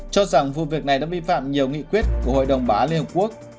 cho rằng vụ việc này đã bi phạm nhiều nghị quyết của hội đồng bá liên hợp quốc